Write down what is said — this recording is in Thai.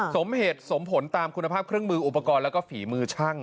สมเหตุสมผลตามคุณภาพเครื่องมืออุปกรณ์แล้วก็ฝีมือช่าง